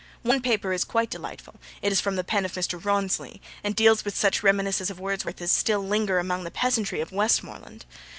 One paper is quite delightful; it is from the pen of Mr. Rawnsley, and deals with such reminiscences of Wordsworth as still linger among the peasantry of Westmoreland.